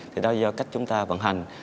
thì đó là do cách chúng ta vận hành